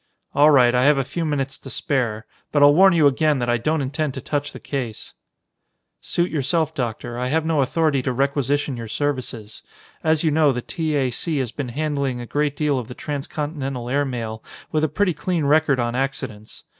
"All right. I have a few minutes to spare, but I'll warn you again that I don't intend to touch the case." "Suit yourself, Doctor. I have no authority to requisition your services. As you know, the T. A. C. has been handling a great deal of the transcontinental air mail with a pretty clean record on accidents.